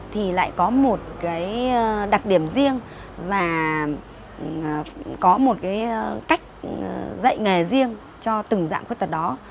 thì lại có một cái đặc điểm riêng và có một cái cách dạy nghề riêng cho từng dạng khuyết tật đó